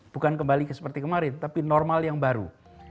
bukan kembali seperti kemarin tapi normal yang baru